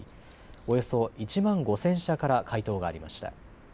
およそ１万５０００社から回答がありました。